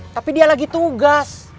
tapi dia lagi tugas